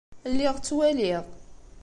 Lliɣ ttwaliɣ.